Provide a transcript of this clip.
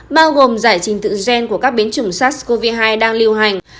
bao gồm giải trình tự gen của các biến chủng sars cov hai đang lưu hành